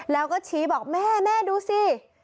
แล้วก็ชี้บอกแม่แม่ดูสิ